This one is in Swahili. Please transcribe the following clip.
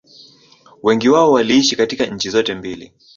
wengi wao waliishi katika nchi zote mbili